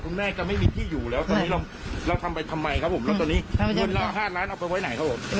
คุณแม่ก็ไม่มีที่อยู่แล้วตอนนี้เราเราทำไปทำไมครับผม